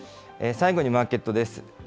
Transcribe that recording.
最後にマーケットです。